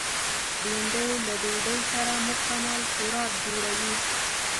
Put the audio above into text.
بېنډۍ له ډوډۍ سره مکمل خوراک جوړوي